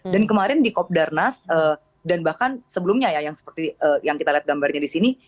dan kemarin di kop darnas dan bahkan sebelumnya ya yang seperti yang kita lihat gambarnya di sini